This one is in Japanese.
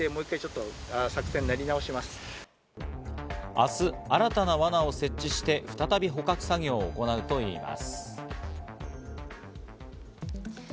明日、新たな罠を設置して、再び捕獲作業を行うといいます。